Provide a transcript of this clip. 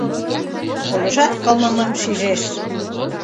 Ольошат кылмымым шижеш.